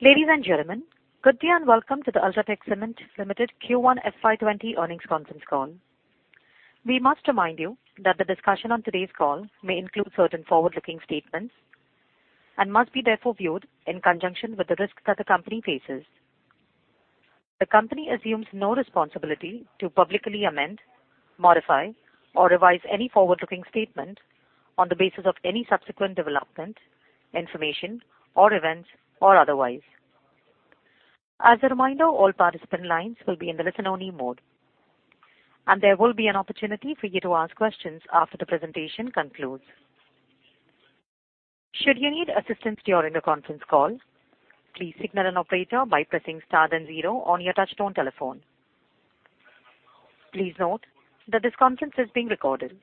Ladies and gentlemen, good day and welcome to the UltraTech Cement Limited Q1 FY 2020 earnings consensus call. We must remind you that the discussion on today's call may include certain forward-looking statements, and must be therefore viewed in conjunction with the risks that the company faces. The company assumes no responsibility to publicly amend, modify, or revise any forward-looking statement on the basis of any subsequent development, information, or events, or otherwise. As a reminder, all participant lines will be in the listen-only mode, and there will be an opportunity for you to ask questions after the presentation concludes. Should you need assistance during the conference call, please signal an operator by pressing star then zero on your touch-tone telephone. Please note that this conference is being recorded.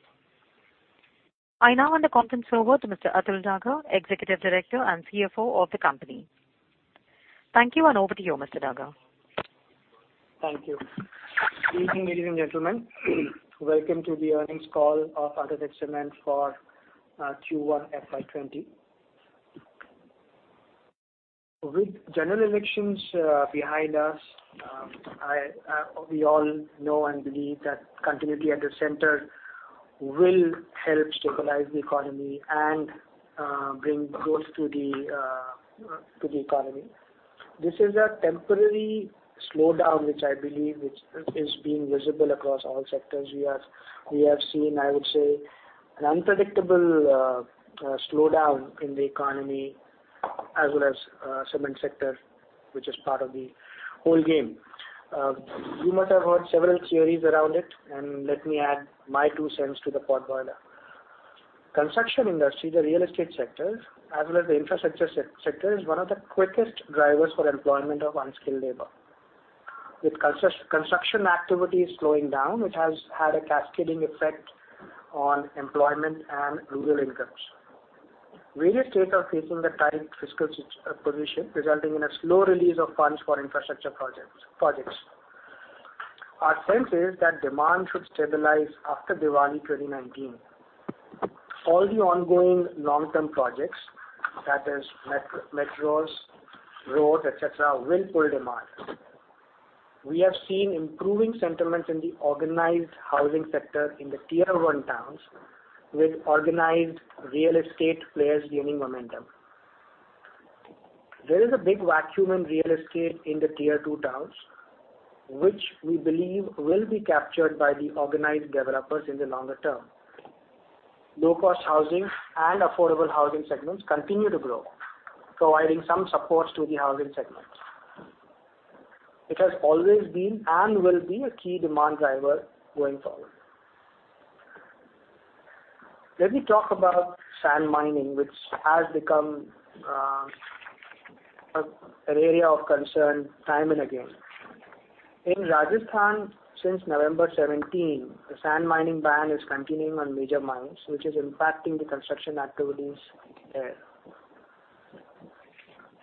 I now hand the conference over to Mr. Atul Daga, Executive Director and CFO of the company. Thank you, and over to you, Mr. Daga. Thank you. Good evening, ladies and gentlemen. Welcome to the earnings call of UltraTech Cement for Q1 FY 2020. With general elections behind us, we all know and believe that continuity at the center will help stabilize the economy and bring growth to the economy. This is a temporary slowdown, which I believe is being visible across all sectors. We have seen, I would say, an unpredictable slowdown in the economy, as well as cement sector, which is part of the whole game. You must have heard several theories around it. Let me add my two cents to the pot boiler. Construction industry, the real estate sector, as well as the infrastructure sector, is one of the quickest drivers for employment of unskilled labor. With construction activities slowing down, it has had a cascading effect on employment and rural incomes. Various states are facing a tight fiscal position, resulting in a slow release of funds for infrastructure projects. Our sense is that demand should stabilize after Diwali 2019. All the ongoing long-term projects, such as metros, roads, et cetera, will pull demand. We have seen improving sentiments in the organized housing sector in the tier 1 towns, with organized real estate players gaining momentum. There is a big vacuum in real estate in the tier 2 towns, which we believe will be captured by the organized developers in the longer term. Low-cost housing and affordable housing segments continue to grow, providing some support to the housing segment. It has always been and will be a key demand driver going forward. Let me talk about sand mining, which has become an area of concern time and again. In Rajasthan since November 2017, the sand mining ban is continuing on major mines, which is impacting the construction activities there.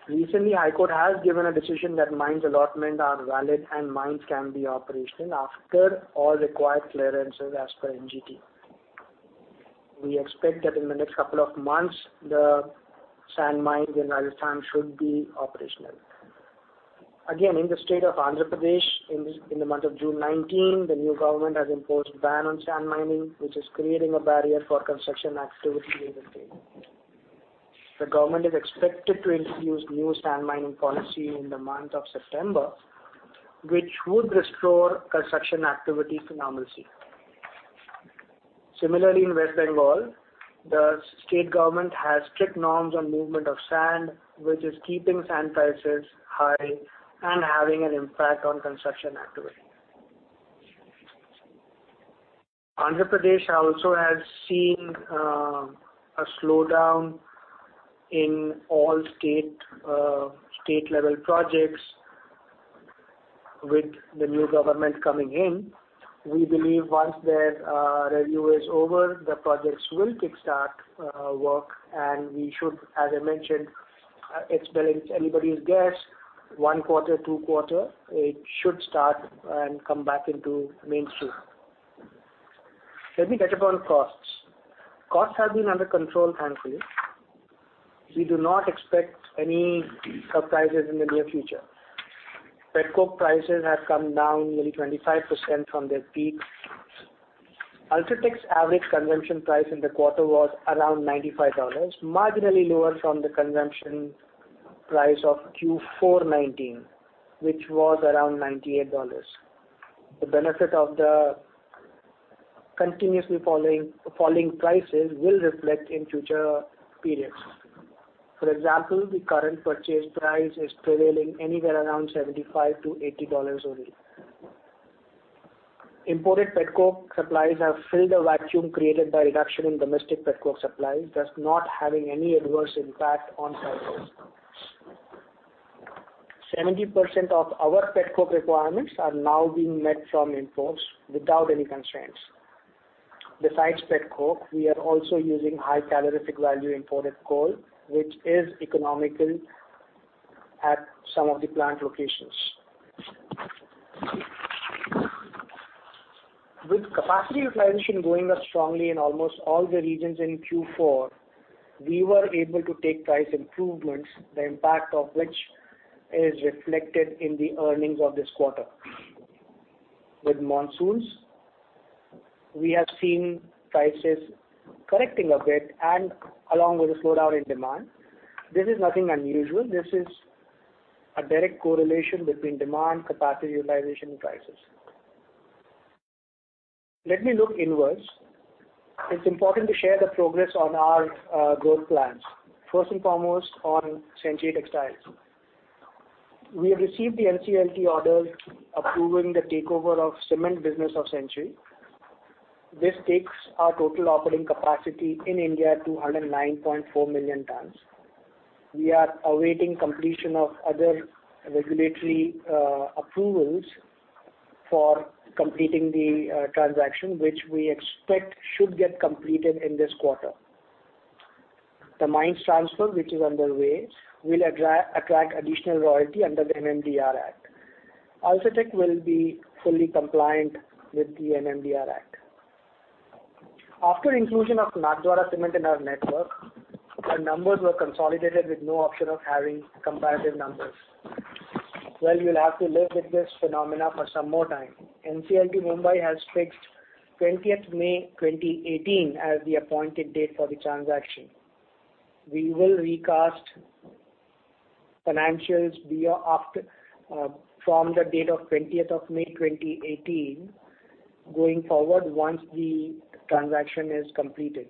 Recently, High Court has given a decision that mines allotment are valid and mines can be operational after all required clearances as per NGT. We expect that in the next couple of months, the sand mines in Rajasthan should be operational. In the state of Andhra Pradesh, in the month of June 2019, the new government has imposed ban on sand mining, which is creating a barrier for construction activity in the state. The government is expected to introduce new sand mining policy in the month of September, which would restore construction activities to normalcy. In West Bengal, the state government has strict norms on movement of sand, which is keeping sand prices high and having an impact on construction activity. Andhra Pradesh also has seen a slowdown in all state-level projects with the new government coming in. We believe once their review is over, the projects will kickstart work, and we should, as I mentioned, it's barely anybody's guess, one quarter, two quarter, it should start and come back into mainstream. Let me touch upon costs. Costs have been under control, thankfully. We do not expect any surprises in the near future. Petcoke prices have come down nearly 25% from their peak. UltraTech's average consumption price in the quarter was around $95, marginally lower from the consumption price of Q4 2019, which was around $98. The benefit of the continuously falling prices will reflect in future periods. For example, the current purchase price is prevailing anywhere around $75-$80 only. Imported Petcoke supplies have filled the vacuum created by reduction in domestic Petcoke supply, thus not having any adverse impact on Petcoke. 70% of our Petcoke requirements are now being met from imports without any constraints. Besides Petcoke, we are also using high calorific value imported coal, which is economical at some of the plant locations. With capacity utilization going up strongly in almost all the regions in Q4, we were able to take price improvements, the impact of which is reflected in the earnings of this quarter. With monsoons, we have seen prices correcting a bit and along with a slowdown in demand. This is nothing unusual. This is a direct correlation between demand, capacity utilization, and prices. Let me look inwards. It's important to share the progress on our growth plans. First and foremost, on Century Textiles. We have received the NCLT order approving the takeover of cement business of Century. This takes our total operating capacity in India to 109.4 million tons. We are awaiting completion of other regulatory approvals for completing the transaction, which we expect should get completed in this quarter. The mines transfer, which is underway, will attract additional royalty under the MMDR Act. UltraTech will be fully compliant with the MMDR Act. After inclusion of Nathdwara Cement in our network, our numbers were consolidated with no option of having comparative numbers. Well, you'll have to live with this phenomena for some more time. NCLT Mumbai has fixed 20th May 2018 as the appointed date for the transaction. We will recast financials from the date of 20th of May 2018 going forward, once the transaction is completed.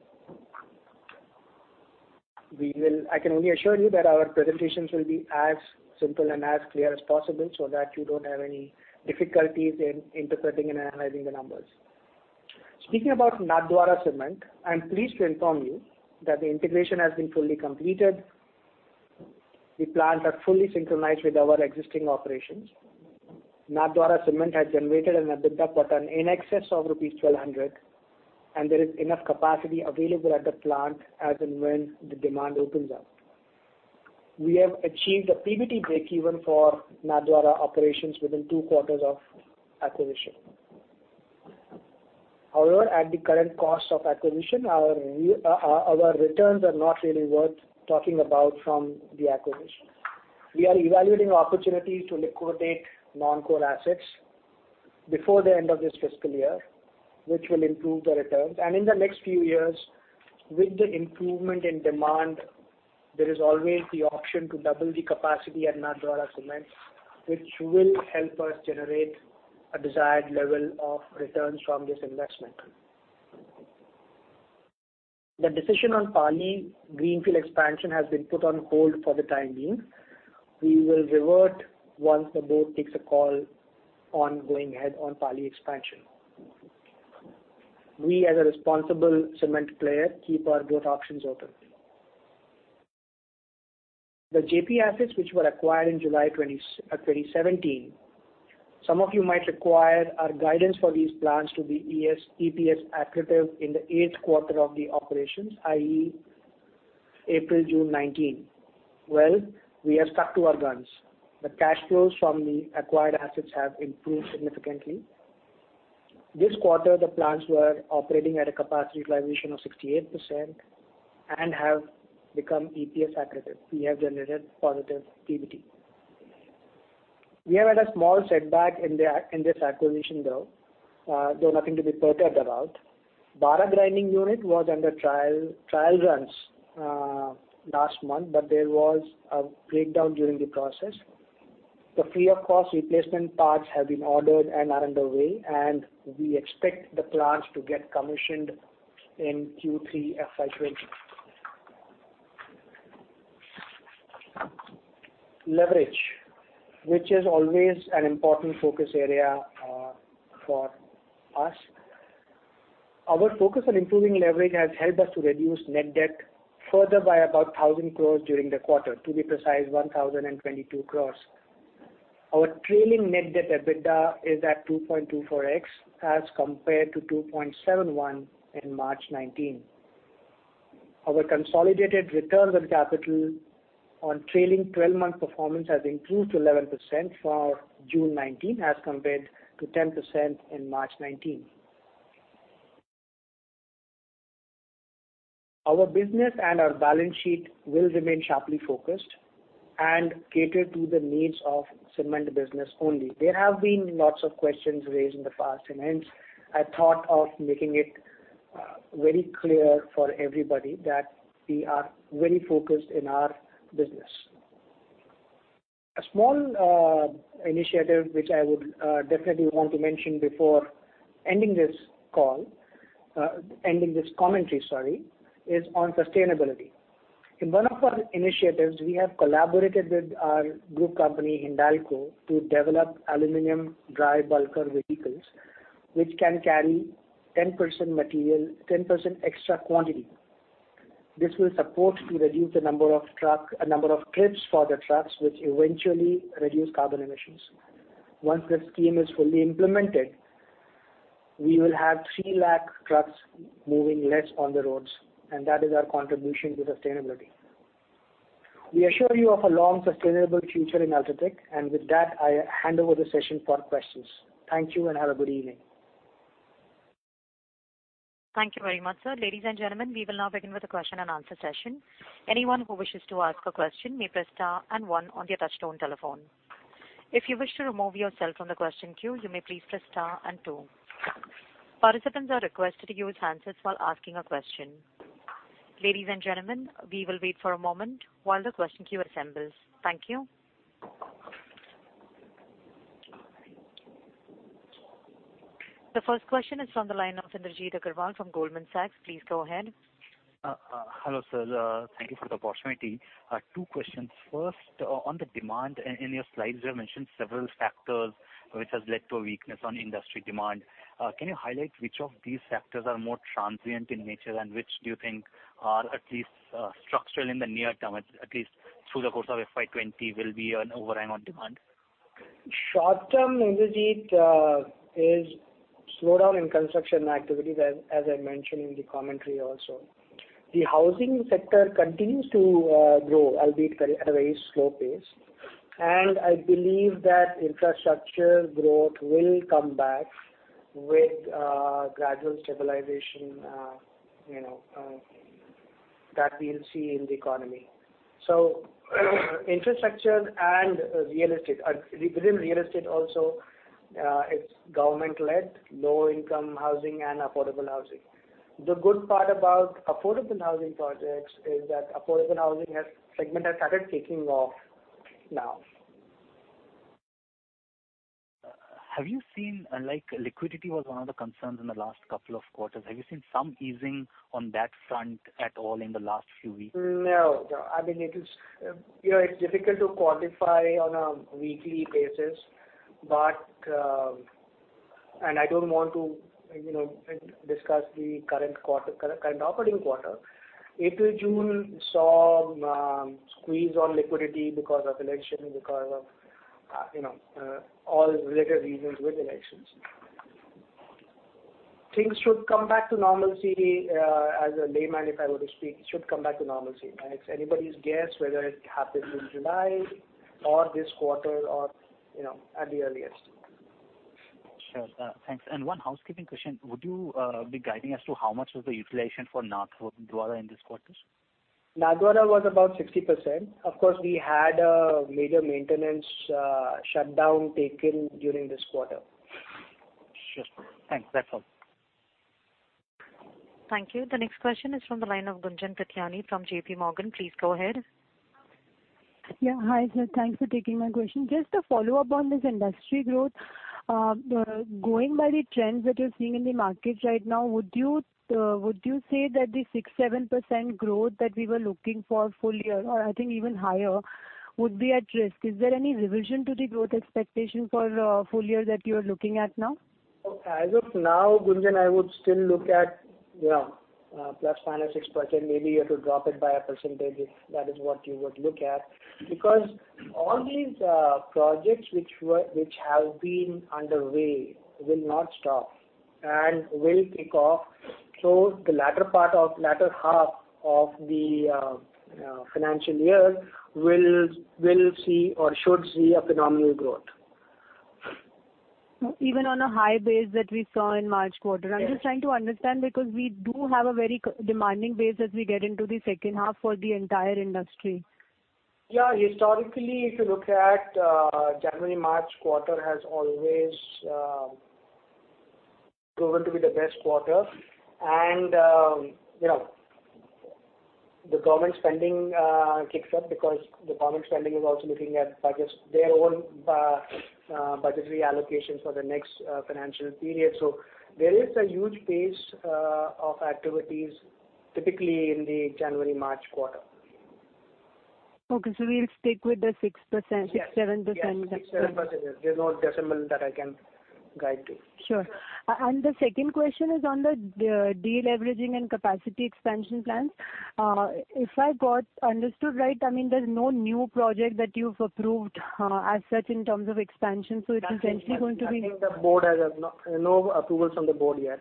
I can only assure you that our presentations will be as simple and as clear as possible so that you don't have any difficulties in interpreting and analyzing the numbers. Speaking about Nathdwara Cement, I'm pleased to inform you that the integration has been fully completed. The plants are fully synchronized with our existing operations. Nathdwara Cement has generated an EBITDA per tonne in excess of rupees 1,200, and there is enough capacity available at the plant as and when the demand opens up. We have achieved a PBT breakeven for Nathdwara operations within two quarters of acquisition. However, at the current cost of acquisition, our returns are not really worth talking about from the acquisition. We are evaluating opportunities to liquidate non-core assets before the end of this fiscal year, which will improve the returns. In the next few years, with the improvement in demand, there is always the option to double the capacity at Nathdwara Cement, which will help us generate a desired level of returns from this investment. The decision on Pali greenfield expansion has been put on hold for the time being. We will revert once the board takes a call on going ahead on Pali expansion. We, as a responsible cement player, keep our growth options open. The Jaiprakash assets which were acquired in July 2017. Some of you might require our guidance for these plants to be EPS accretive in the eighth quarter of the operations, i.e., April-June 2019. Well, we are stuck to our guns. The cash flows from the acquired assets have improved significantly. This quarter, the plants were operating at a capacity utilization of 68% and have become EPS accretive. We have generated positive PBT. We have had a small setback in this acquisition, though. Nothing to be perturbed about. Bara grinding unit was under trial runs last month, but there was a breakdown during the process. The free of cost replacement parts have been ordered and are underway, and we expect the plants to get commissioned in Q3 FY 2020. Leverage, which is always an important focus area for us. Our focus on improving leverage has helped us to reduce net debt further by about 1,000 crores during the quarter. To be precise, 1,022 crores. Our trailing net debt EBITDA is at 2.24x as compared to 2.71 in March 2019. Our consolidated return on capital on trailing 12-month performance has improved to 11% for June 2019 as compared to 10% in March 2019. Our business and our balance sheet will remain sharply focused and cater to the needs of cement business only. There have been lots of questions raised in the past, and hence I thought of making it very clear for everybody that we are very focused in our business. A small initiative, which I would definitely want to mention before ending this commentary, is on sustainability. In one of our initiatives, we have collaborated with our group company, Hindalco, to develop aluminum dry bulker vehicles, which can carry 10% extra quantity. This will support to reduce the number of trips for the trucks, which eventually reduce carbon emissions. Once this scheme is fully implemented, we will have three lakh trucks moving less on the roads, and that is our contribution to sustainability. We assure you of a long, sustainable future in UltraTech. With that, I hand over the session for questions. Thank you, and have a good evening. Thank you very much, sir. Ladies and gentlemen, we will now begin with the question and answer session. Anyone who wishes to ask a question may press star and one on their touchtone telephone. If you wish to remove yourself from the question queue, you may please press star and two. Participants are requested to use handsets while asking a question. Ladies and gentlemen, we will wait for a moment while the question queue assembles. Thank you. The first question is from the line of Indranil Agarwal from Goldman Sachs. Please go ahead. Hello, sir. Thank you for the opportunity. Two questions. First, on the demand. In your slides, you have mentioned several factors which has led to a weakness on industry demand. Can you highlight which of these factors are more transient in nature, and which do you think are at least structural in the near term, at least through the course of FY 2020 will be an overhang on demand? Short term, Indranil, is slowdown in construction activities, as I mentioned in the commentary also. The housing sector continues to grow, albeit at a very slow pace. I believe that infrastructure growth will come back with gradual stabilization that we'll see in the economy. Infrastructure and real estate. Within real estate also, it's government-led, low-income housing and affordable housing. The good part about affordable housing projects is that affordable housing segment has started taking off now. Have you seen, like liquidity was one of the concerns in the last couple of quarters. Have you seen some easing on that front at all in the last few weeks? No. It's difficult to quantify on a weekly basis. I don't want to discuss the current operating quarter. April, June, we saw squeeze on liquidity because of election, because of all related reasons with elections. Things should come back to normalcy, as a layman, if I were to speak, should come back to normalcy. It's anybody's guess whether it happens in July or this quarter or at the earliest. Sure. Thanks. One housekeeping question. Would you be guiding us to how much was the utilization for Nathdwara in this quarters? Nathdwara was about 60%. Of course, we had a major maintenance shutdown taken during this quarter. Sure. Thanks. Atul. Thank you. The next question is from the line of Gunjan Prithiani from J.P. Morgan. Please go ahead. Yeah. Hi, sir. Thanks for taking my question. Just a follow-up on this industry growth. Going by the trends that you're seeing in the market right now, would you say that the 6%-7% growth that we were looking for full year or I think even higher would be at risk? Is there any revision to the growth expectation for full year that you're looking at now? As of now, Gunjan, I would still look at ±6%. Maybe you have to drop it by a percentage. That is what you would look at. All these projects which have been underway will not stop and will kick off. The latter half of the financial year will see or should see a phenomenal growth. Even on a high base that we saw in March quarter? Yes. I'm just trying to understand because we do have a very demanding base as we get into the second half for the entire industry. Yeah. Historically, if you look at January, March quarter has always proven to be the best quarter. The government spending kicks up because the government spending is also looking at their own budgetary allocations for the next financial period. There is a huge pace of activities typically in the January, March quarter. Okay, we'll stick with the 6%, six, 7%? Yes, 6, 7%. There's no decimal that I can guide to. Sure. The second question is on the deleveraging and capacity expansion plans. If I got understood right, there's no new project that you've approved as such in terms of expansion. Nothing much. No approvals from the board yet.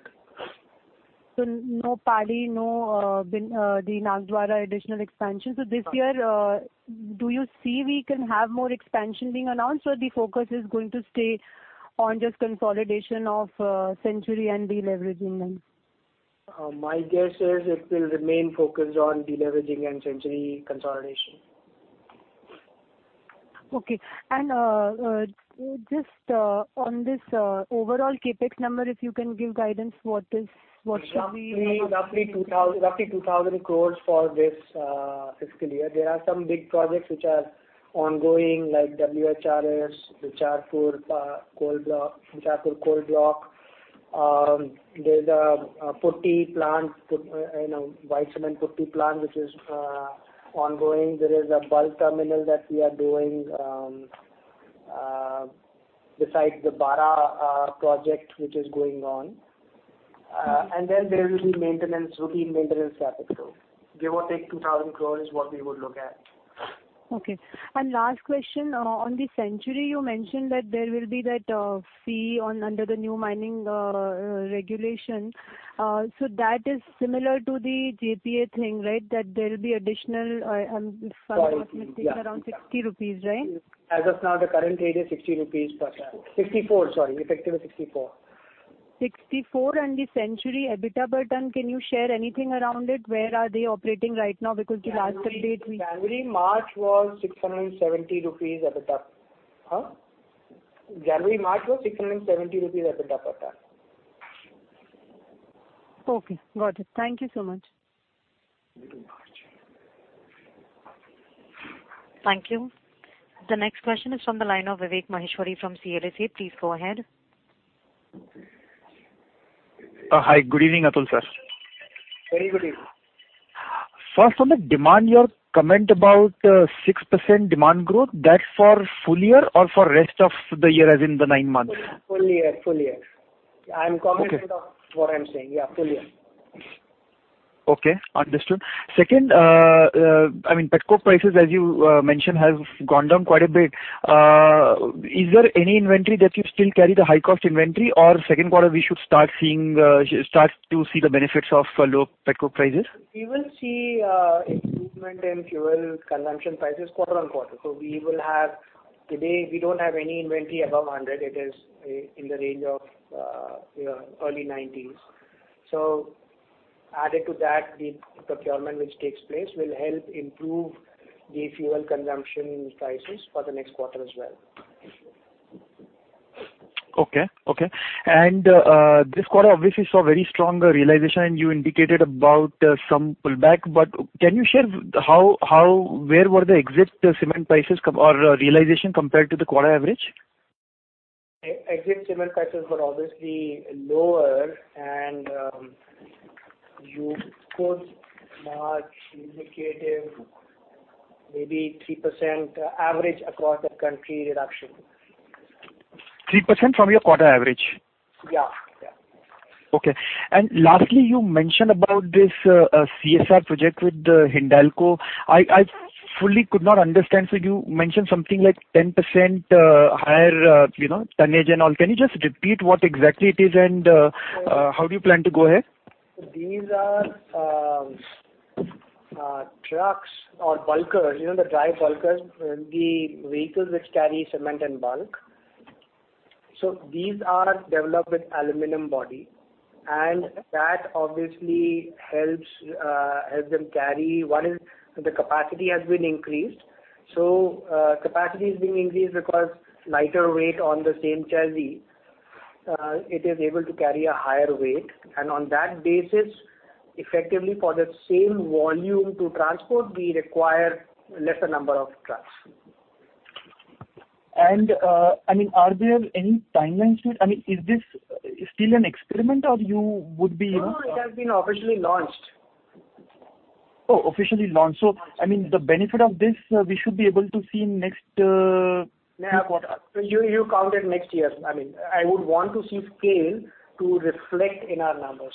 No Pali, no the Nathdwara additional expansion. This year, do you see we can have more expansion being announced, or the focus is going to stay on just consolidation of Century and deleveraging then? My guess is it will remain focused on deleveraging and Century consolidation. Okay. Just on this overall CapEx number, if you can give guidance what should be? Roughly 2,000 crore for this fiscal year. There are some big projects which are ongoing, like WHRS, Rajhara coal block. There's a white cement putty plant which is ongoing. There is a bulk terminal that we are doing besides the Bara project, which is going on. Then there will be routine maintenance capital. Give or take 2,000 crore is what we would look at. Okay. Last question. On the Century, you mentioned that there will be that fee under the new mining regulation. That is similar to the JPA thing, right? That there'll be additional- Sorry. Yeah around 60 rupees, right? As of now, the current rate is 60 rupees per ton. 64, sorry. Effective is 64. 64, the Century EBITDA margin, can you share anything around it? Where are they operating right now? January, March was 670 rupees EBITDA. Huh? January, March was 670 rupees EBITDA per ton. Okay, got it. Thank you so much. March. Thank you. The next question is from the line of Vivek Maheshwari from CLSA. Please go ahead. Hi. Good evening, Atul sir. Very good evening. First, on the demand, your comment about 6% demand growth, that's for full year or for rest of the year, as in the nine months? Full year. Okay of what I'm saying. Yeah, full year. Okay. Understood. Petcoke prices, as you mentioned, have gone down quite a bit. Is there any inventory that you still carry the high-cost inventory? Second quarter, we should start to see the benefits of low Petcoke prices? We will see improvement in fuel consumption prices quarter on quarter. Today, we don't have any inventory above $100. It is in the range of early $90s. Added to that, the procurement which takes place will help improve the fuel consumption prices for the next quarter as well. Okay. This quarter, obviously, saw very strong realization, and you indicated about some pullback. Can you share where were the exit cement prices or realization compared to the quarter average? Exit cement prices were obviously lower. You could mark indicative maybe 3% average across the country reduction. 3% from your quarter average? Yeah. Okay. Lastly, you mentioned about this CSR project with Hindalco. I fully could not understand. You mentioned something like 10% higher tonnage and all. Can you just repeat what exactly it is and how do you plan to go ahead? These are trucks or bulkers. You know the dry bulkers, the vehicles which carry cement in bulk. These are developed with aluminum body, and that obviously helps them carry, one is the capacity has been increased. Capacity is being increased because lighter weight on the same chassis, it is able to carry a higher weight. On that basis, effectively for the same volume to transport, we require lesser number of trucks. Are there any timelines here? Is this still an experiment? No, it has been officially launched. Officially launched. The benefit of this, we should be able to see in next quarter. You count it next year. I would want to see scale to reflect in our numbers.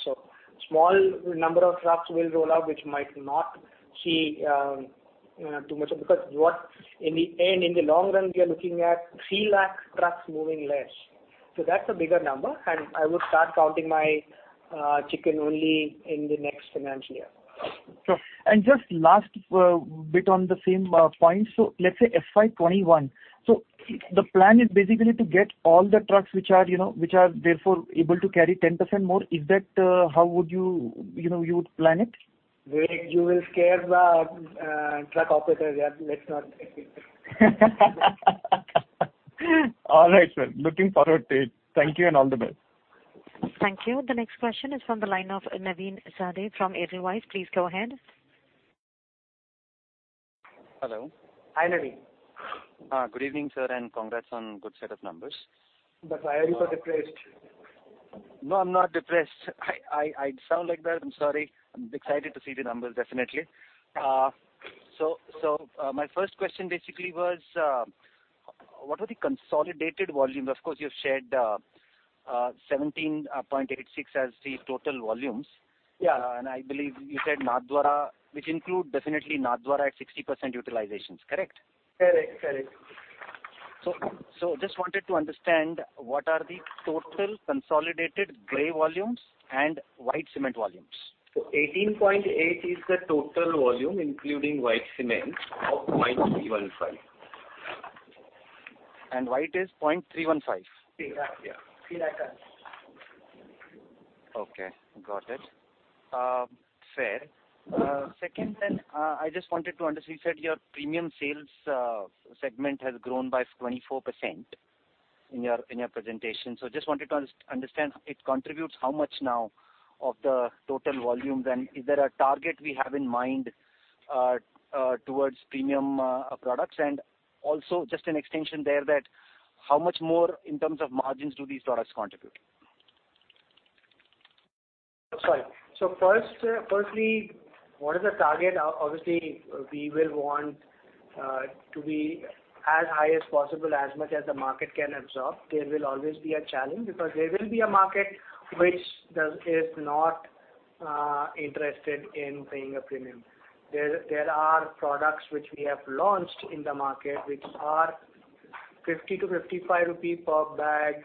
Small number of trucks will roll out, which might not see too much, because in the long run, we are looking at three lakh trucks moving less. That's a bigger number. I would start counting my chicken only in the next financial year. Sure. Just last bit on the same point. Let's say FY 2021. The plan is basically to get all the trucks which are therefore able to carry 10% more. Is that how you would plan it? Wait, you will scare the truck operators. Let's not. All right, sir. Looking forward to it. Thank you, and all the best. Thank you. The next question is from the line of Navin Sahadeo from Edelweiss. Please go ahead. Hello. Hi, Navin. Good evening, sir, and congrats on good set of numbers. That's why you are depressed. No, I'm not depressed. I sound like that? I'm sorry. I'm excited to see the numbers, definitely. My first question basically was, what were the consolidated volumes? Of course, you've shared 17.86 as the total volumes. Yeah. I believe you said Nathdwara, which include definitely Nathdwara at 60% utilizations. Correct? Correct. Just wanted to understand, what are the total consolidated gray volumes and white cement volumes? 18.8 is the total volume, including white cement of 0.315. White is 0.315? Yeah. 0.315. Okay. Got it. Fair. Second, I just wanted to understand, you said your premium sales segment has grown by 24% in your presentation. Just wanted to understand, it contributes how much now of the total volumes? Is there a target we have in mind towards premium products? Also just an extension there that, how much more in terms of margins do these products contribute? Sorry. Firstly, what is the target? To be as high as possible, as much as the market can absorb. There will always be a challenge because there will be a market which is not interested in paying a premium. There are products which we have launched in the market, which are 50 to 55 rupees per bag,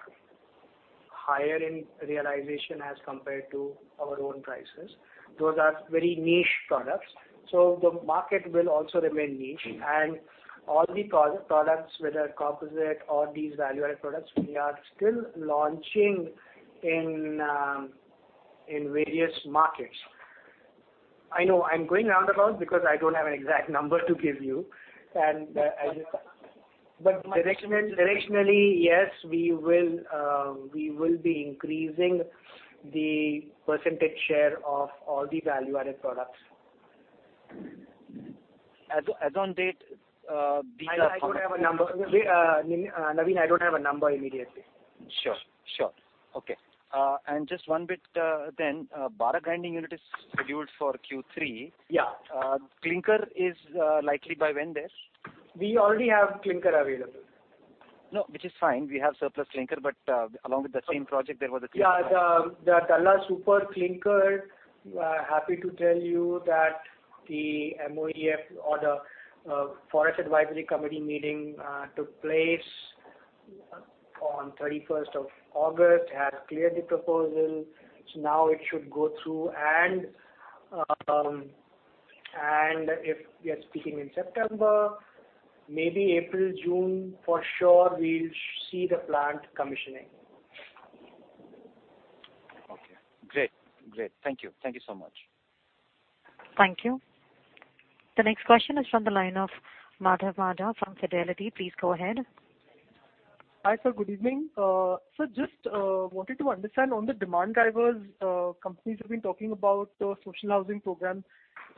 higher in realization as compared to our own prices. Those are very niche products. The market will also remain niche. All the products, whether composite or these value-added products, we are still launching in various markets. I know I'm going round about because I don't have an exact number to give you. Directionally, yes, we will be increasing the percentage share of all the value-added products. As on date, these are. Navin, I don't have a number immediately. Sure. Okay. Just one bit, Bara grinding unit is scheduled for Q3. Yeah. Clinker is likely by when there? We already have clinker available. No, which is fine. We have surplus clinker, but along with the same project, there was a clinker- The Dalla Super clinker. Happy to tell you that the MoEF or the Forest Advisory Committee meeting took place on 31st of August, has cleared the proposal. Now it should go through and if we are speaking in September, maybe April, June for sure, we'll see the plant commissioning. Okay, great. Thank you so much. Thank you. The next question is from the line of Madhav Marda from Fidelity. Please go ahead. Hi, sir. Good evening. Sir, just wanted to understand on the demand drivers, companies have been talking about social housing programs,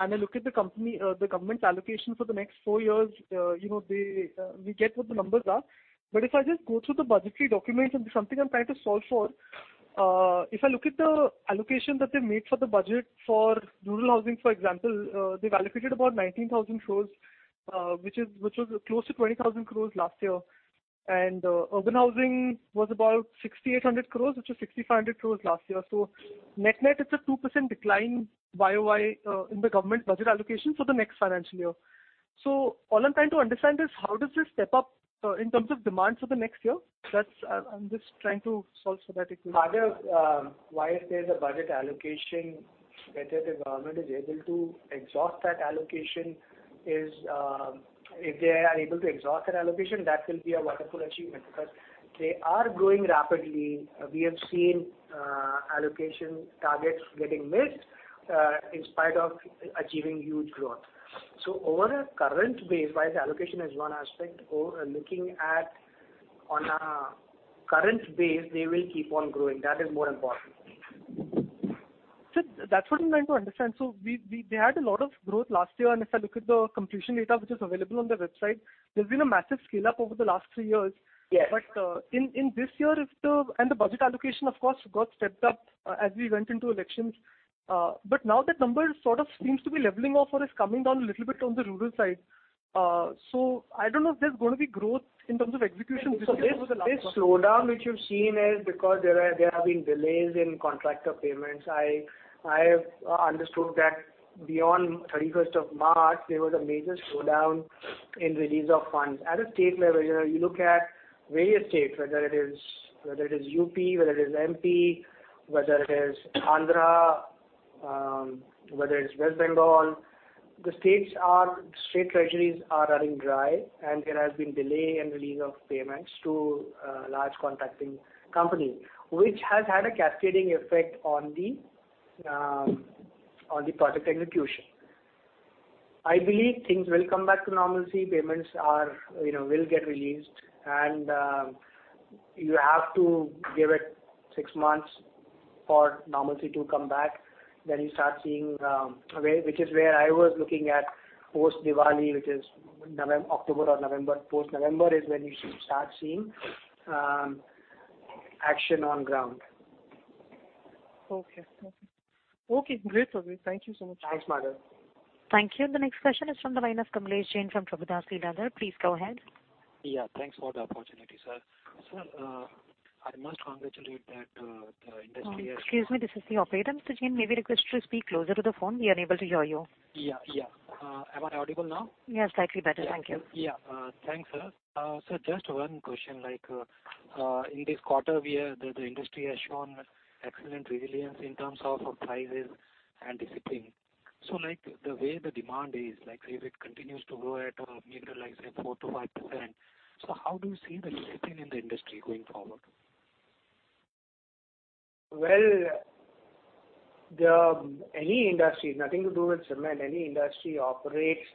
and I look at the government's allocation for the next four years, we get what the numbers are. If I just go through the budgetary documents and something I'm trying to solve for, if I look at the allocation that they made for the budget for rural housing, for example, they've allocated about 19,000 crores, which was close to 20,000 crores last year. Urban housing was about 6,800 crores, which was 6,500 crores last year. Net-net it's a 2% decline YOY in the government budget allocation for the next financial year. All I'm trying to understand is how does this step up in terms of demand for the next year? I'm just trying to solve for that equation. Madhav, why I say the budget allocation, whether the government is able to exhaust that allocation is, if they are able to exhaust that allocation, that will be a wonderful achievement because they are growing rapidly. We have seen allocation targets getting missed, in spite of achieving huge growth. Over a current base, while the allocation is one aspect, looking at on a current base, they will keep on growing. That is more important. Sir, that's what I'm trying to understand. They had a lot of growth last year, and if I look at the completion data which is available on the website, there's been a massive scale-up over the last three years. Yes. In this year, the budget allocation, of course, got stepped up as we went into elections. Now that number sort of seems to be leveling off or is coming down a little bit on the rural side. I don't know if there's going to be growth in terms of execution. This slowdown, which you've seen, is because there have been delays in contractor payments. I have understood that beyond 31st of March, there was a major slowdown in release of funds. At a state level, you look at various states, whether it is UP, whether it is MP, whether it is Andhra, whether it's West Bengal, the state treasuries are running dry, and there has been delay in release of payments to large contracting companies, which has had a cascading effect on the project execution. I believe things will come back to normalcy. Payments will get released, and you have to give it six months for normalcy to come back, then you start seeing, which is where I was looking at post-Diwali, which is October or November. Post-November is when you should start seeing action on ground. Okay. Great, Navin. Thank you so much. Thanks, Madhav. Thank you. The next question is from the line of Kamlesh Jain from Tribhuvan Realty Advisor. Please go ahead. Yeah. Thanks for the opportunity, sir. Sir, I must congratulate that the industry has- Excuse me, this is the operator. Mr. Jain, may we request you to speak closer to the phone? We are unable to hear you. Yeah. Am I audible now? Yeah, slightly better. Thank you. Yeah. Thanks, sir. Sir, just one question. In this quarter, the industry has shown excellent resilience in terms of prices and the shipping. The way the demand is, if it continues to grow at a meager, let's say 4% to 5%, so how do you see the shipping in the industry going forward? Well, any industry, nothing to do with cement, any industry operates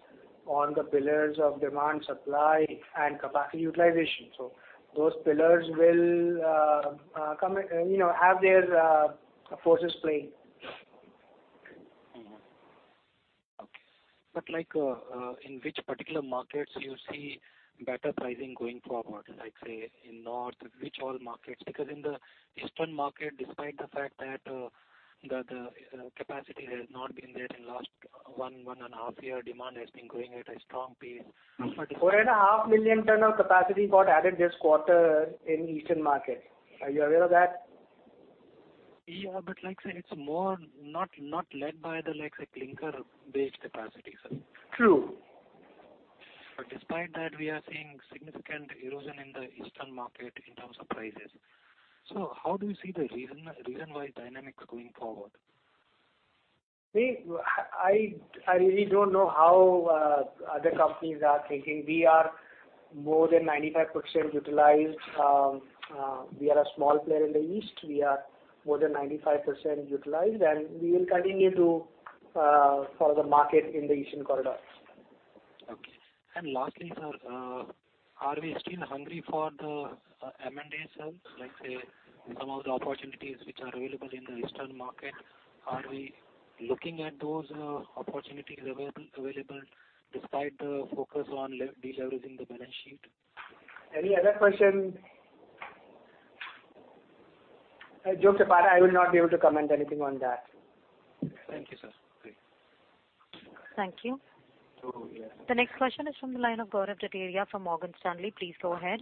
on the pillars of demand, supply, and capacity utilization. Those pillars will have their forces playing In which particular markets you see better pricing going forward? Like, say, in North, which all markets? In the eastern market, despite the fact that the capacity has not been there in last one and a half year, demand has been growing at a strong pace. 4.5 million ton of capacity got added this quarter in eastern market. Are you aware of that? Yeah, it's more not led by the clinker-based capacity, sir. True. Despite that, we are seeing significant erosion in the eastern market in terms of prices. How do you see the reason why dynamics going forward? I really don't know how other companies are thinking. We are more than 95% utilized. We are a small player in the East. We are more than 95% utilized, and we will continue to follow the market in the Eastern corridor. Lastly, sir, are we still hungry for the M&A, sir, let's say some of the opportunities which are available in the eastern market, are we looking at those opportunities available despite the focus on deleveraging the balance sheet? Any other question? Jokes apart, I will not be able to comment anything on that. Thank you, sir. Great. Thank you. Yeah. The next question is from the line of Gaurav Rateria from Morgan Stanley. Please go ahead.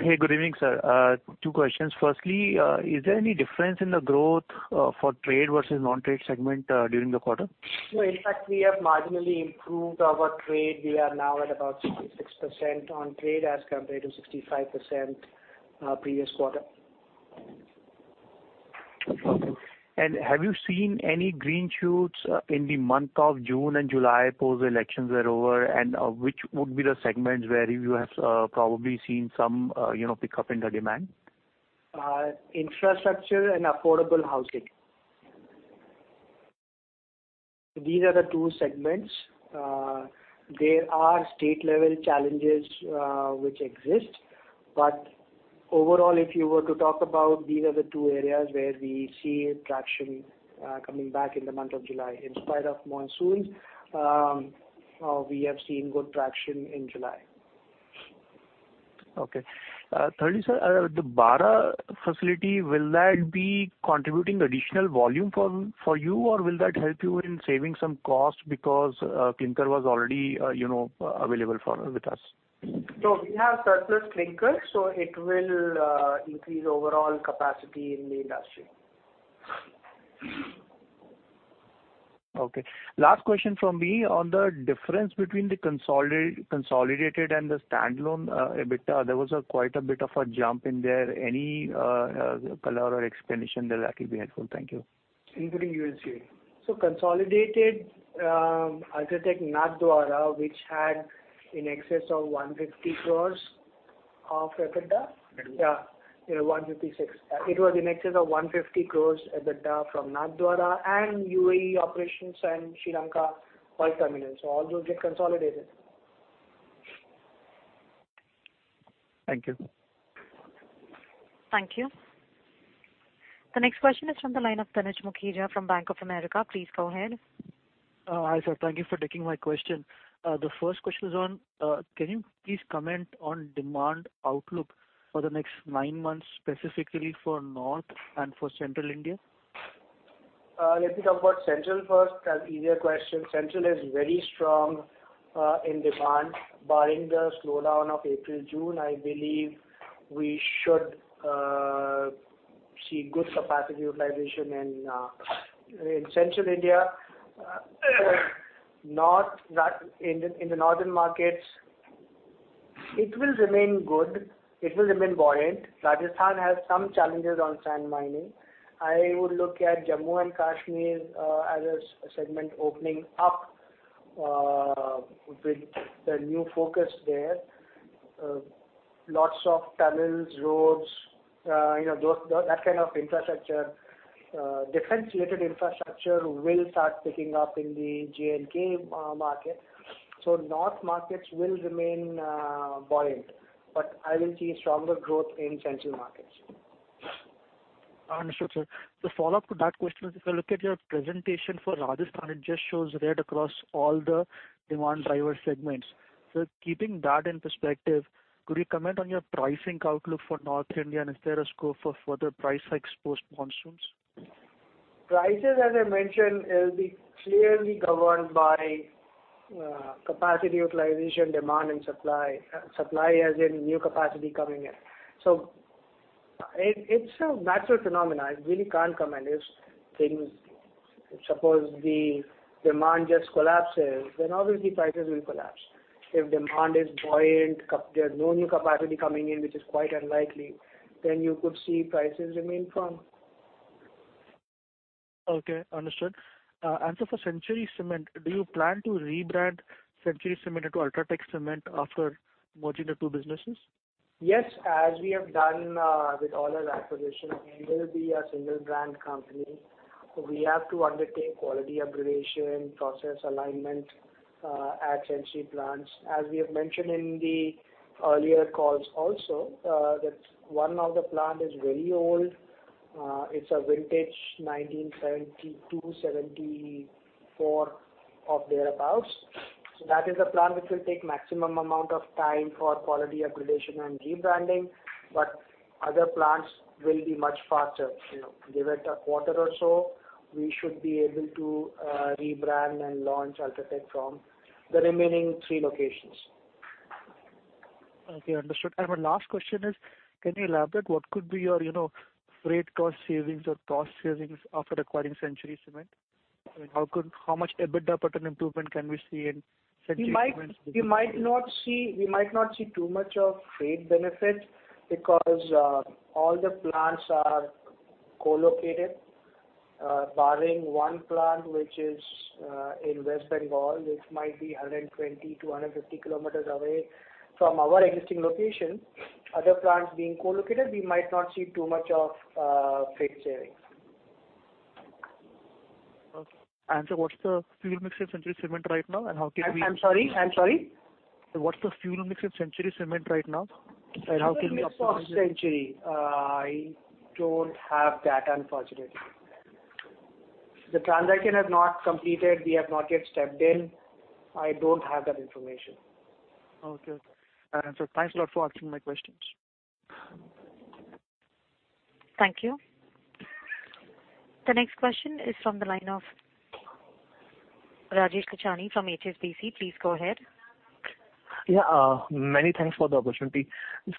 Hey, good evening, sir. Two questions. Firstly, is there any difference in the growth for trade versus non-trade segment during the quarter? No, in fact, we have marginally improved our trade. We are now at about 66% on trade as compared to 65%, previous quarter. Okay. Have you seen any green shoots in the month of June and July, post the elections were over? Which would be the segments where you have probably seen some pickup in the demand? Infrastructure and affordable housing. These are the two segments. There are state-level challenges which exist. Overall, if you were to talk about, these are the two areas where we see traction coming back in the month of July. In spite of monsoons, we have seen good traction in July. Okay. Thirdly, sir, the Bara facility, will that be contributing additional volume for you or will that help you in saving some cost because clinker was already available with us? We have surplus clinker, so it will increase overall capacity in the industry. Okay. Last question from me on the difference between the consolidated and the standalone EBITDA. There was quite a bit of a jump in there. Any color or explanation there that will be helpful? Thank you. Including UAE. Consolidated UltraTech Nathdwara, which had in excess of 150 crores of EBITDA. Yeah. Yeah, 156. It was in excess of 150 crores EBITDA from Nathdwara and UAE operations and Sri Lanka port terminal. All those get consolidated. Thank you. Thank you. The next question is from the line of Tanisha Mukia from Bank of America. Please go ahead. Hi, sir. Thank you for taking my question. Can you please comment on demand outlook for the next nine months, specifically for North and for Central India? Let me talk about Central first. An easier question. Central is very strong in demand. Barring the slowdown of April, June, I believe we should see good capacity utilization in Central India. In the northern markets, it will remain good. It will remain buoyant. Rajasthan has some challenges on sand mining. I would look at Jammu and Kashmir as a segment opening up with the new focus there. Lots of tunnels, roads, that kind of infrastructure. Defense-related infrastructure will start picking up in the J&K market. North markets will remain buoyant, but I will see stronger growth in Central markets. Understood, sir. The follow-up to that question is, if I look at your presentation for Rajasthan, it just shows red across all the demand driver segments. Keeping that in perspective, could you comment on your pricing outlook for North India, and is there a scope of further price hikes post monsoons? Prices, as I mentioned, will be clearly governed by capacity utilization, demand, and supply. Supply as in new capacity coming in. It's a natural phenomenon. I really can't comment. If suppose the demand just collapses, then obviously prices will collapse. If demand is buoyant, there's no new capacity coming in, which is quite unlikely, then you could see prices remain firm. Okay. Understood. Sir, for Century Cement, do you plan to rebrand Century Cement into UltraTech Cement after merging the two businesses? Yes. As we have done with all our acquisitions, we will be a single-brand company. We have to undertake quality upgradation, process alignment at Century plants. As we have mentioned in the earlier calls also, that one of the plants is very old. It's a vintage 1972, '74, or thereabouts. That is a plant which will take maximum amount of time for quality upgradation and rebranding. Other plants will be much faster. Give it a quarter or so, we should be able to rebrand and launch UltraTech from the remaining three locations. Okay, understood. My last question is, can you elaborate what could be your freight cost savings or cost savings after acquiring Century Cement? How much EBITDA pattern improvement can we see in Century Cement? We might not see too much of freight benefit because all the plants are co-located. Barring one plant, which is in West Bengal, which might be 120-150 km away from our existing location. Other plants being co-located, we might not see too much of freight savings. Okay. Sir, what's the fuel mix in Century Cement right now, and how can we? I'm sorry? What's the fuel mix in Century Cement right now, and how can we- Fuel mix of Century. I don't have that, unfortunately. The transaction has not completed. We have not yet stepped in. I don't have that information. Okay. Sir, thanks a lot for answering my questions. Thank you. The next question is from the line of Rajesh Lachhani from HSBC. Please go ahead. Yeah. Many thanks for the opportunity.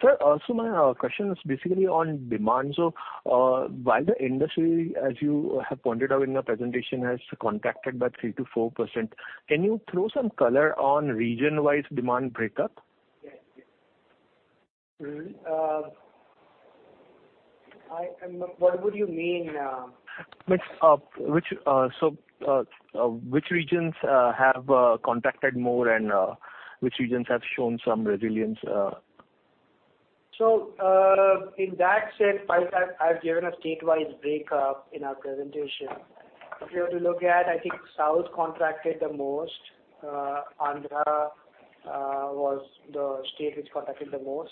Sir, also my question is basically on demand. While the industry, as you have pointed out in your presentation, has contracted by three to four%, can you throw some color on region-wise demand breakup? What would you mean? Which regions have contracted more and which regions have shown some resilience? In that sense, I've given a state-wise breakup in our presentation. If you have to look at, I think South contracted the most. Andhra was the state which contracted the most.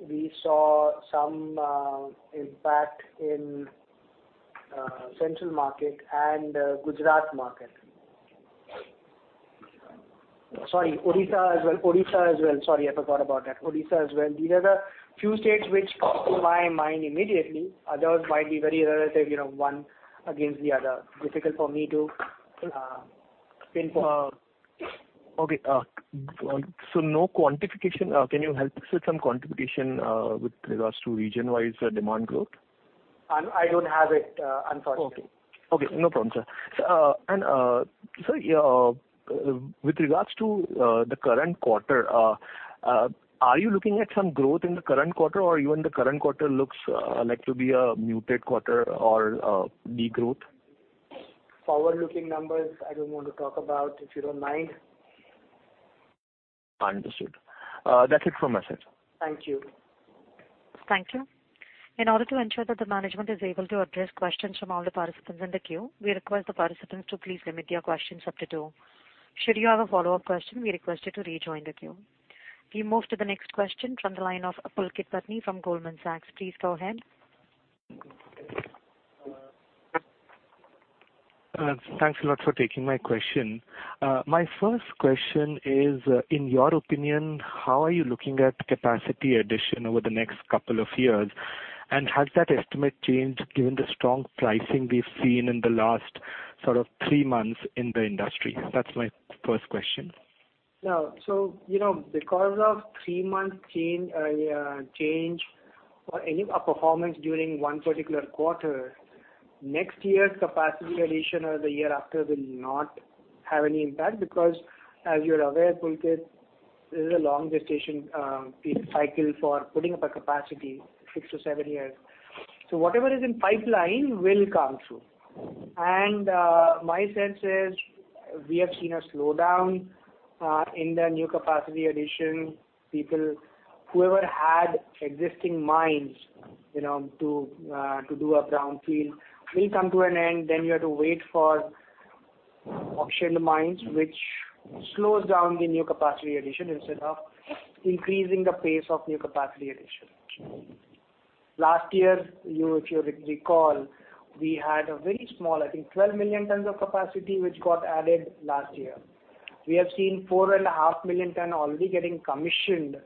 We saw some impact in central market and Gujarat market. Sorry, Odisha as well. Sorry, I forgot about that. Odisha as well. These are the few states which come to my mind immediately. Others might be very relative, one against the other. Difficult for me to pinpoint. Okay. No quantification. Can you help us with some quantification with regards to region-wise demand growth? I don't have it, unfortunately. Okay. No problem, sir. Sir, with regards to the current quarter, are you looking at some growth in the current quarter or even the current quarter looks like to be a muted quarter or de-growth? Forward-looking numbers, I don't want to talk about, if you don't mind. Understood. That's it from my side, sir. Thank you. Thank you. In order to ensure that the management is able to address questions from all the participants in the queue, we request the participants to please limit your questions up to two. Should you have a follow-up question, we request you to rejoin the queue. We move to the next question from the line of Pulkit Patni from Goldman Sachs. Please go ahead. Thanks a lot for taking my question. My first question is, in your opinion, how are you looking at capacity addition over the next couple of years, and has that estimate changed given the strong pricing we've seen in the last three months in the industry? That's my first question. Because of three months change or any performance during one particular quarter, next year's capacity addition or the year after will not have any impact because as you're aware, Pulkit, this is a long gestation cycle for putting up a capacity, six to seven years. Whatever is in pipeline will come through. My sense is we have seen a slowdown in the new capacity addition. People, whoever had existing mines, to do a brownfield will come to an end. You have to wait for auction mines, which slows down the new capacity addition instead of increasing the pace of new capacity addition. Last year, if you recall, we had a very small, I think 12 million tons of capacity, which got added last year. We have seen four and a half million ton already getting commissioned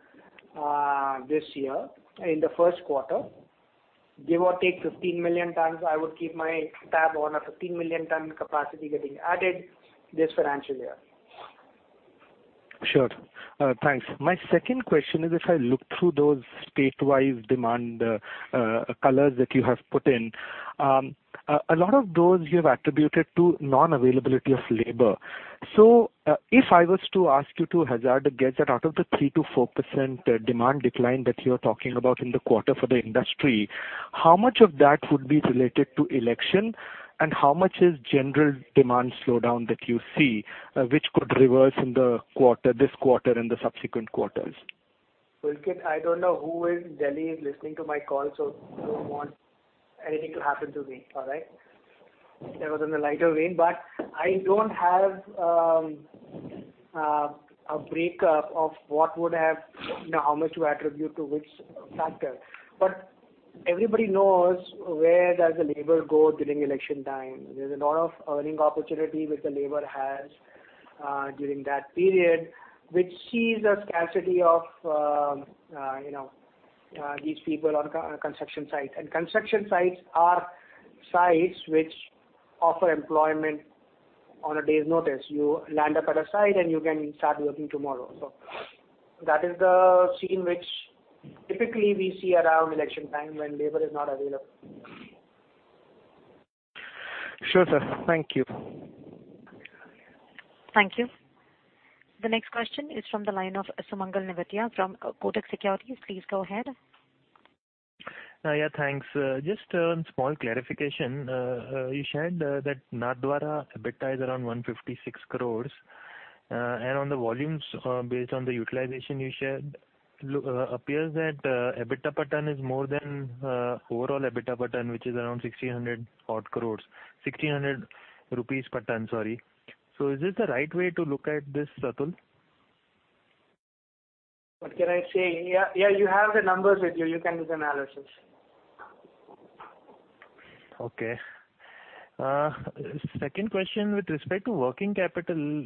this year in the first quarter. Give or take 15 million tons. I would keep my tab on a 15 million ton capacity getting added this financial year. Sure. Thanks. My second question is, if I look through those state-wise demand colors that you have put in, a lot of those you've attributed to non-availability of labor. If I was to ask you to hazard a guess that out of the 3%-4% demand decline that you're talking about in the quarter for the industry, how much of that would be related to election, and how much is general demand slowdown that you see, which could reverse in this quarter and the subsequent quarters? Pulkit, I don't know who in Delhi is listening to my call, so I don't want anything to happen to me. All right? There was a lighter rain, I don't have a breakup of how much to attribute to which factor. Everybody knows where the labor goes during election time. There's a lot of earning opportunity which the labor has during that period, which sees a scarcity of these people on construction sites. Construction sites are sites which offer employment on a day's notice. You land up at a site, and you can start working tomorrow. That is the scene which typically we see around election time when labor is not available. Sure, sir. Thank you. Thank you. The next question is from the line of Sumangal Nevatia from Kotak Securities. Please go ahead. Thanks. Just one small clarification. You shared that Nathdwara EBITDA is around 156 crore. On the volumes, based on the utilization you shared, appears that EBITDA per ton is more than overall EBITDA per ton, which is around 600 odd rupees per ton. Is this the right way to look at this, Atul? What can I say? Yeah, you have the numbers with you. You can do the analysis. Okay. Second question with respect to working capital,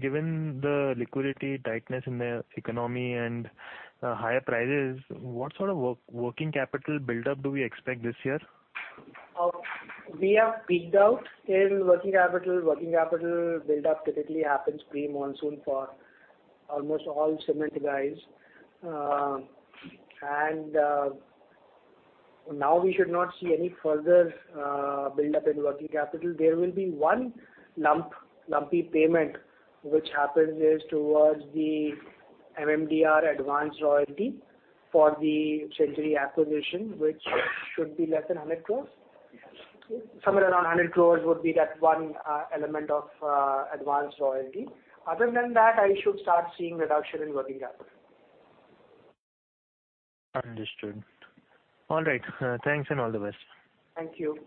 given the liquidity tightness in the economy and higher prices, what sort of working capital buildup do we expect this year? We have peaked out in working capital. Working capital buildup typically happens pre-monsoon for almost all cement guys. Now we should not see any further buildup in working capital. There will be one lumpy payment, which happens towards the MMDR advance royalty for the Century acquisition, which should be less than 100 crores. Somewhere around 100 crores would be that one element of advance royalty. Other than that, I should start seeing reduction in working capital. Understood. All right. Thanks, and all the best. Thank you.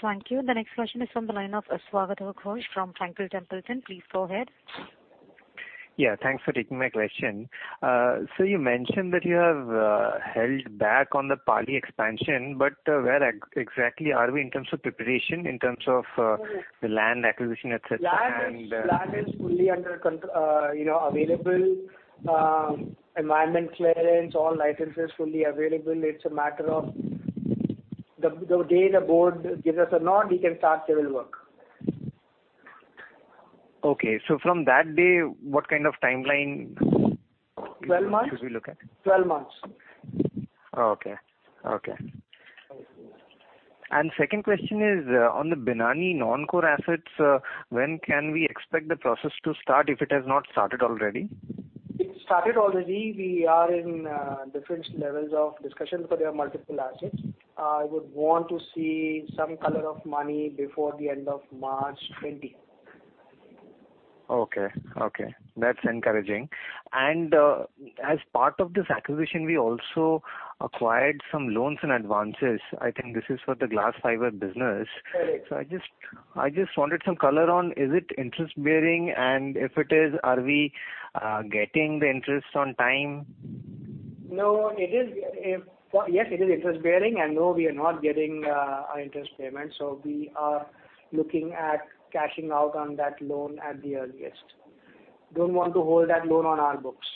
Thank you. The next question is from the line of Swagato Ghosh from Franklin Templeton. Please go ahead. Yeah, thanks for taking my question. You mentioned that you have held back on the Pali expansion, where exactly are we in terms of preparation, in terms of the land acquisition, et cetera? Land is fully available. Environment clearance, all licenses fully available. It's a matter of the day the board gives us a nod, we can start civil work. Okay. From that day, what kind of timeline- 12 months. should we look at? 12 months. Okay. Second question is on the Binani non-core assets. When can we expect the process to start if it has not started already? It started already. We are in different levels of discussion for their multiple assets. I would want to see some color of money before the end of March 2020. Okay. That's encouraging. As part of this acquisition, we also acquired some loans and advances. I think this is for the glass fiber business. Correct. I just wanted some color on, is it interest-bearing? If it is, are we getting the interest on time? Yes, it is interest-bearing. No, we are not getting our interest payment. We are looking at cashing out on that loan at the earliest. Don't want to hold that loan on our books.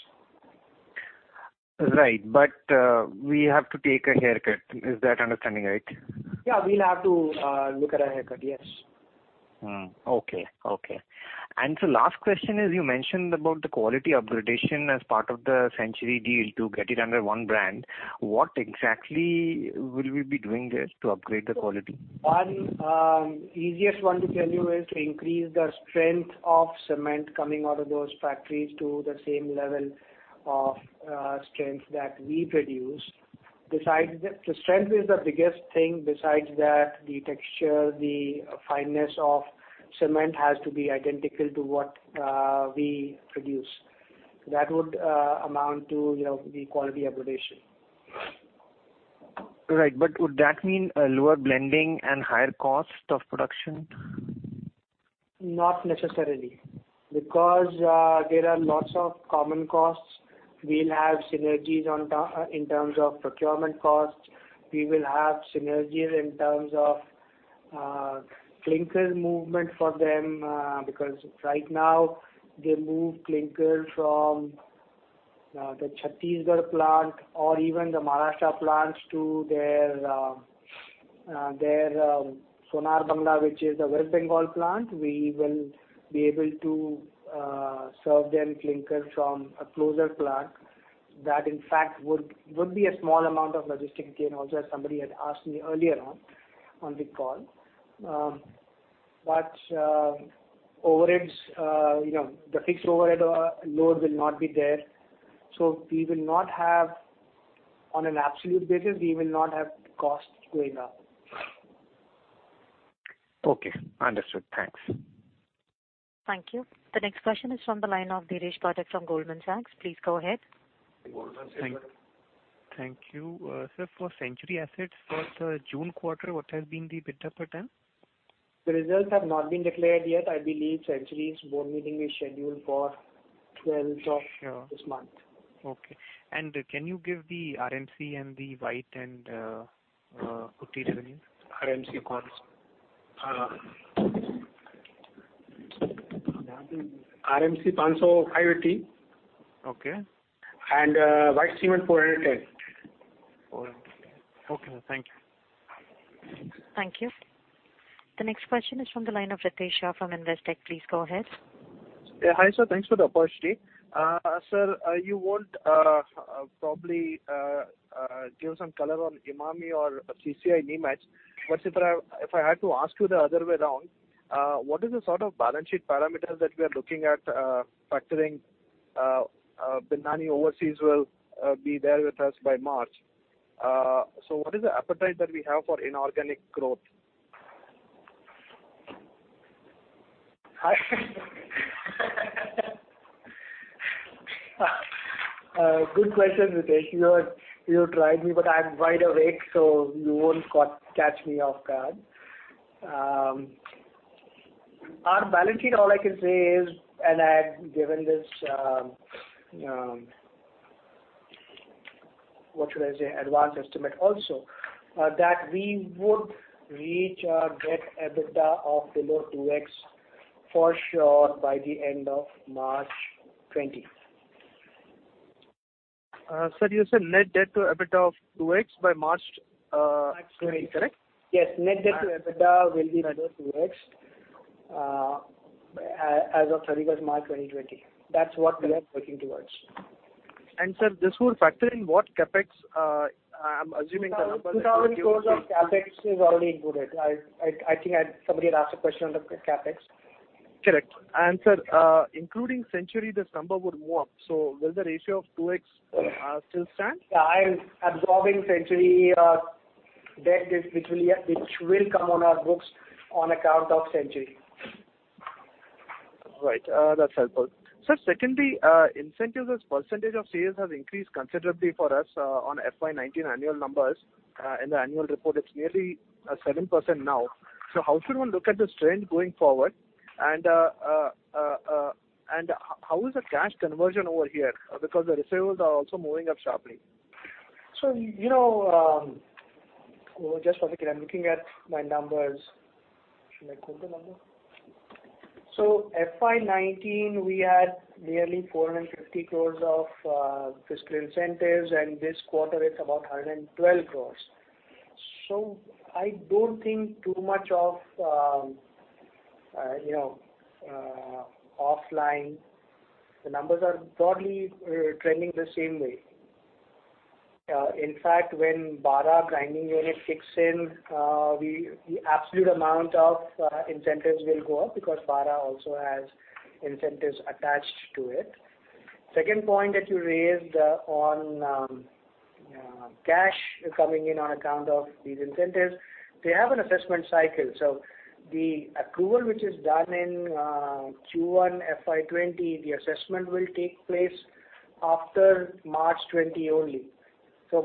Right. We have to take a haircut. Is that understanding right? Yeah, we'll have to look at a haircut. Yes. Okay. Last question is, you mentioned about the quality upgradation as part of the Century deal to get it under one brand. What exactly will we be doing there to upgrade the quality? Easiest one to tell you is to increase the strength of cement coming out of those factories to the same level of strength that we produce. Strength is the biggest thing. Besides that, the texture, the fineness of cement has to be identical to what we produce. That would amount to the quality upgradation. Right. Would that mean a lower blending and higher cost of production? Not necessarily, because there are lots of common costs. We'll have synergies in terms of procurement costs. We will have synergies in terms of clinker movement for them, because right now they move clinker from the Chhattisgarh plant or even the Maharashtra plants to their Sonar Bangla, which is a West Bengal plant. We will be able to serve them clinker from a closer plant. That, in fact, would be a small amount of logistic gain also, as somebody had asked me earlier on the call. The fixed overhead load will not be there. On an absolute basis, we will not have costs going up. Okay, understood. Thanks. Thank you. The next question is from the line of Dheeresh Bhatia from Goldman Sachs. Please go ahead. Goldman Sachs. Thank you. Sir, for Century Assets for the June quarter, what has been the EBITDA? The results have not been declared yet. I believe Century's board meeting is scheduled for 12th of this month. Okay. Can you give the RMC and the white and putty revenues? RMC 580. Okay. White cement 410. Okay, thank you. Thank you. The next question is from the line of Ritesh Shah from Investec. Please go ahead. Hi, sir. Thanks for the opportunity. Sir, you won't probably give some color on Emami or CCI limits, but if I had to ask you the other way around, what is the sort of balance sheet parameters that we are looking at factoring, Binani Overseas will be there with us by March. What is the appetite that we have for inorganic growth? Good question, Ritesh. You tried me, but I'm wide awake, so you won't catch me off-guard. Our balance sheet, all I can say is, and I've given this, what should I say, advance estimate also, that we would reach our debt EBITDA of below 2x for sure by the end of March 2020. Sir, you said net debt to EBITDA of 2x by March 2020, correct? Yes. Net debt to EBITDA will be below 2x as of 31st March 2020. That's what we are working towards. Sir, this will factor in what CapEx? 2,000 crores of CapEx is already included. I think somebody had asked a question on the CapEx. Correct. sir, including Century, this number would go up. Will the ratio of 2x still stand? Yeah. I am absorbing Century debt, which will come on our books on account of Century. Right. That's helpful. Sir, secondly, incentives as percentage of sales have increased considerably for us on FY19 annual numbers. In the annual report it's nearly 7% now. How should one look at this trend going forward? How is the cash conversion over here? Because the receivables are also moving up sharply. Just for a second, I'm looking at my numbers. Should I quote the number? FY 2019 we had nearly 450 crores of fiscal incentives, and this quarter it's about 112 crores. I don't think too much of offline. The numbers are broadly trending the same way. In fact, when Bara grinding unit kicks in, the absolute amount of incentives will go up because Bara also has incentives attached to it. Second point that you raised on cash coming in on account of these incentives, they have an assessment cycle. The approval which is done in Q1 FY 2020, the assessment will take place after March 2020 only.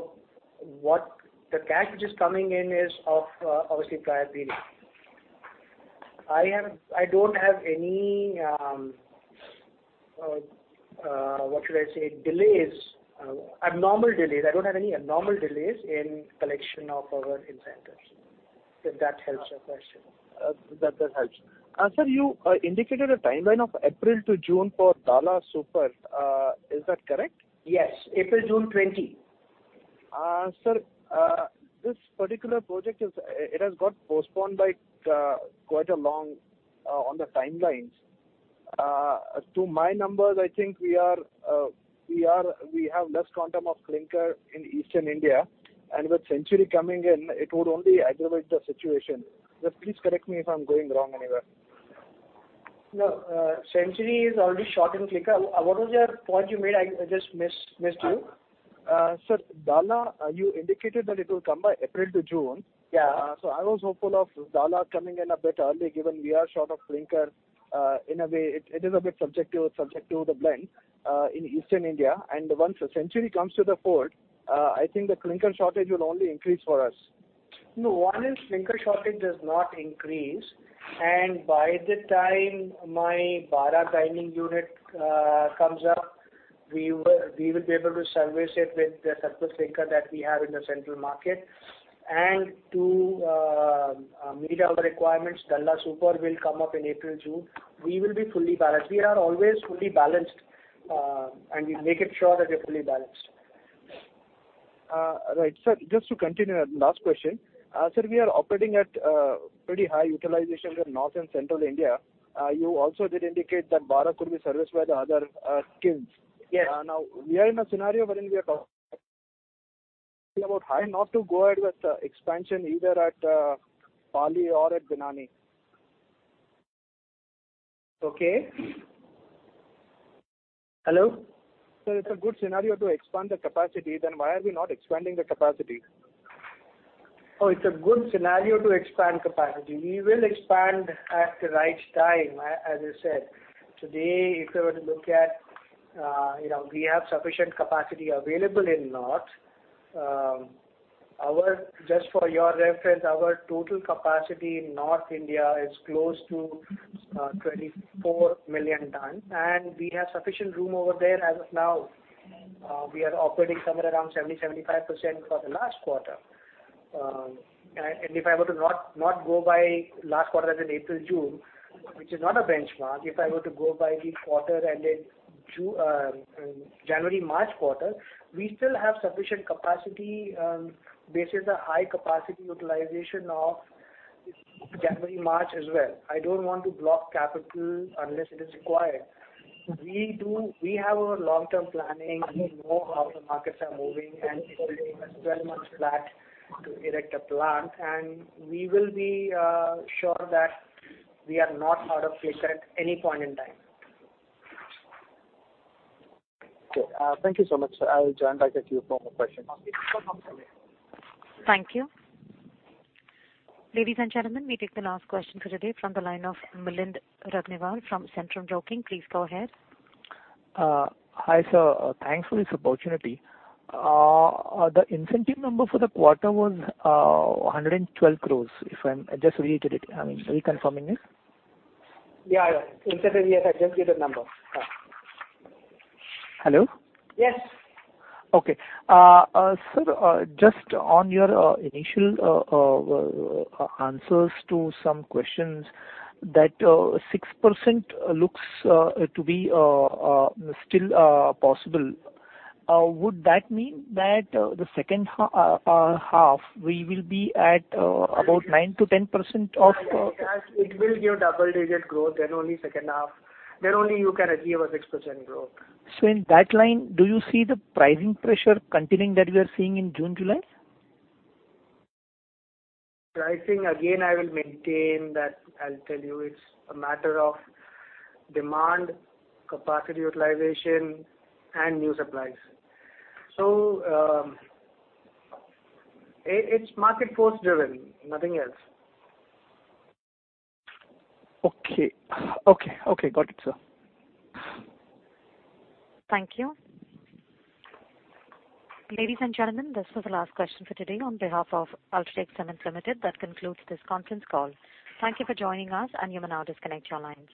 The cash which is coming in is of obviously prior period. I don't have any, what should I say, abnormal delays. I don't have any abnormal delays in collection of our incentives. If that helps your question. That helps. Sir, you indicated a timeline of April to June for Dalla Super. Is that correct? Yes. April, June 2020. Sir, this particular project, it has got postponed by quite along on the timelines. To my numbers, I think we have less quantum of clinker in Eastern India, and with Century coming in, it would only aggravate the situation. Sir, please correct me if I'm going wrong anywhere. No. Century is already short in clinker. What was your point you made? I just missed you. Sir, Dalla, you indicated that it will come by April to June. Yeah. I was hopeful of Dalla coming in a bit early, given we are short of clinker. In a way it is a bit subject to the blend in Eastern India. Once Century comes to the fold, I think the clinker shortage will only increase for us. No. one is clinker shortage does not increase, and by the time my Bara grinding unit comes up, we will be able to service it with the surplus clinker that we have in the central market. To meet our requirements, Dalla Super will come up in April, June. We will be fully balanced. We are always fully balanced, and we make it sure that we are fully balanced. Right. Sir, just to continue, last question. Sir, we are operating at pretty high utilization in North and Central India. You also did indicate that Bara could be serviced by the other kilns. Yes. Now we are in a scenario wherein we are talking about high not to go ahead with expansion either at Pali or at Binani. Okay.Hello? Sir, it's a good scenario to expand the capacity, then why are we not expanding the capacity? It's a good scenario to expand capacity. We will expand at the right time, as I said. Today, if you were to look at, we have sufficient capacity available in North. Just for your reference, our total capacity in North India is close to 24 million tons, and we have sufficient room over there as of now. We are operating somewhere around 70%-75% for the last quarter. If I were to not go by last quarter as in April, June, which is not a benchmark, if I were to go by the January, March quarter, we still have sufficient capacity, and this is a high capacity utilization of January, March as well. I don't want to block capital unless it is required. We have our long-term planning. We know how the markets are moving, and it will take us 12 months flat to erect a plant, and we will be sure that we are not out of place at any point in time. Okay. Thank you so much, sir. I will join back if few more questions come in. Thank you. Ladies and gentlemen, we take the last question for today from the line of Milind Raginwar from Centrum Broking. Please go ahead. Hi, sir. Thanks for this opportunity. The incentive number for the quarter was 112 crores, if I just read it. Are you confirming this? Yeah. Incentive, yes, I just gave that number. Yeah. Hello? Yes. Okay. Sir, just on your initial answers to some questions, that 6% looks to be still possible. Would that mean that the second half we will be at about 9%-10% of- Yes. It will give double-digit growth then only second half, then only you can achieve a 6% growth. In that line, do you see the pricing pressure continuing that we are seeing in June, July? Pricing, again, I will maintain that I'll tell you it's a matter of demand, capacity utilization and new supplies. It's market force driven, nothing else. Okay. Got it, sir. Thank you. Ladies and gentlemen, this was the last question for today on behalf of UltraTech Cement Limited. That concludes this conference call. Thank you for joining us, and you may now disconnect your lines.